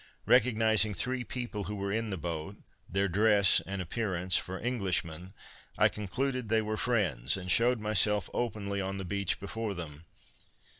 Recognizing three people who were in the boat, their dress and appearance, for Englishmen, I concluded they were friends, and shewed myself openly on the beach before them.